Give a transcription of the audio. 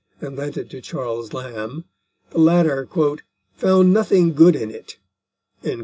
and lent it to Charles Lamb, the latter "found nothing good in it."